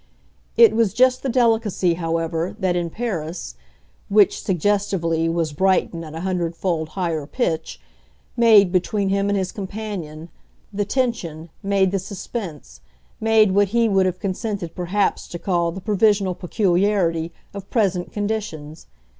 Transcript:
It was just the delicacy, however, that in Paris which, suggestively, was Brighton at a hundredfold higher pitch made, between him and his companion, the tension, made the suspense, made what he would have consented perhaps to call the provisional peculiarity, of present conditions.